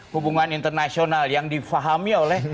hubungan internasional yang difahami oleh